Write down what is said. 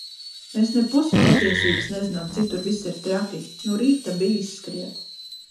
Mēs ne pusi patiesības nezinām, cik tur viss ir traki. No rīta biju izskriet.